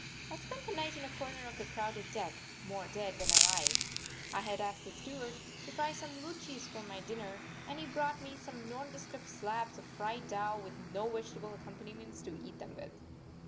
I spent the night in a corner of the crowded deck, more dead than alive. I had asked the steward to fry some luchis for my dinner, and he brought me some nondescript slabs of fried dough with no vegetable accompaniments to eat them with.